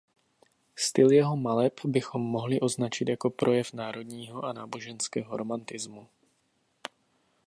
Styl jeho maleb bychom mohli označit jako projev národního a náboženského romantismu.